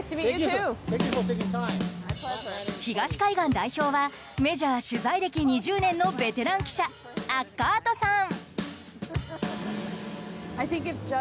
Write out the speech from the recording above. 東海岸代表はメジャー取材歴２０年のベテラン記者アッカートさん。